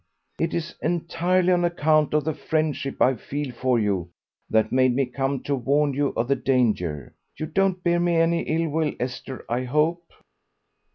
"It is entirely on account of the friendship I feel for you that made me come to warn you of the danger. You don't bear me any ill will, Esther, I hope?"